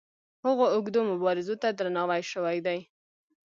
هغو اوږدو مبارزو ته درناوی شوی دی.